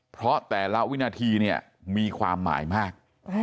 เพราะแต่ละวินาทีเนี่ยมีความหมายมาก